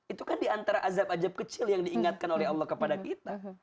itu kan diantara azab azab kecil yang diingatkan oleh allah kepada kita